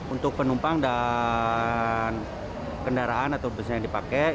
untuk penumpang dan kendaraan atau bus yang dipakai